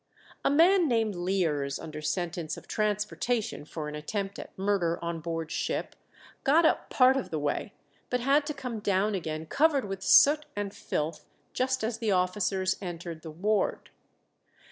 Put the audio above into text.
A man named Lears, under sentence of transportation for an attempt at murder on board ship, got up part of the way, but had to come down again covered with soot and filth just as the officers entered the ward.